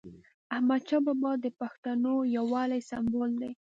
احمدشاه بابا د پښتنو یووالي سمبول دی.